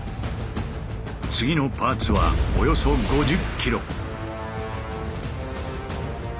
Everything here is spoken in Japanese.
次のパーツはおよそ５０ｋｇ。